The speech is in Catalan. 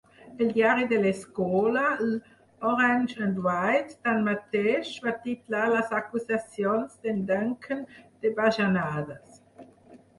El diari de l'escola, l'"Orange and White", tanmateix, va titllar les acusacions d'en Duncan de bajanades.